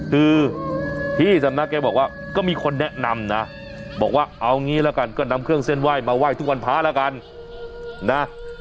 คือพี่สำนักแกบอกว่าก็มีคนแนะนำนะบอกว่าเอางี้ละกันก็นำเครื่องเส้นไหว้มาไหว้ทุกวันพระแล้วกันนะ